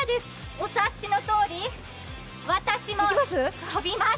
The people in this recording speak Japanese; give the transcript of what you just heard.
お察っしのとおり、私も飛びます。